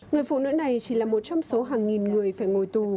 người phụ nữ này chỉ là một trong số hàng nghìn người phải ngồi tù